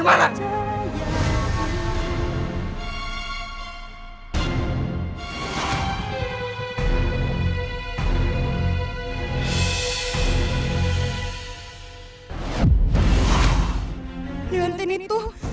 mata lu taruh dimana